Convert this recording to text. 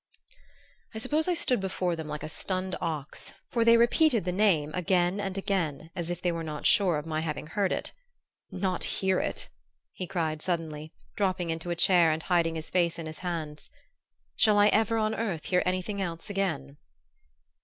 "I suppose I stood before them like a stunned ox, for they repeated the name again and again, as if they were not sure of my having heard it. Not hear it!" he cried suddenly, dropping into a chair and hiding his face in his hands. "Shall I ever on earth hear anything else again?"